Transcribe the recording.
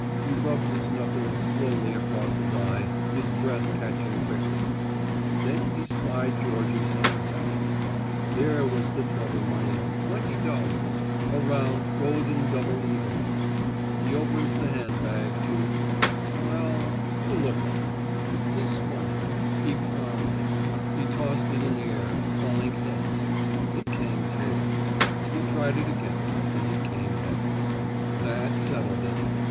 He rubbed his knuckles slowly across his eye, his breath catching quickly. Then he spied Georgia's hand bag. There was the trouble money twenty dollars, a round, golden double eagle. He opened the handbag to well, to look at it. He spun it; he palmed it; he tossed it in the air, calling heads. It came tails. He tried it again and it came heads. That settled it.